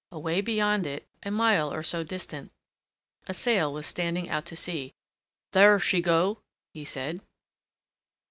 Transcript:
Away beyond it, a mile or so distant, a sail was standing out to sea. "There she go," he said.